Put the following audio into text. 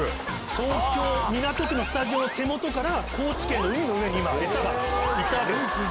東京・港区のスタジオの手元から高知県の海の上に今餌が行ったわけです。